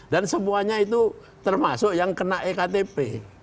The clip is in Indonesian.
dan semuanya itu termasuk yang kena ektp